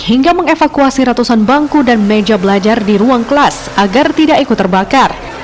hingga mengevakuasi ratusan bangku dan meja belajar di ruang kelas agar tidak ikut terbakar